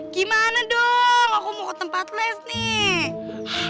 gimana dong aku mau tempat les nih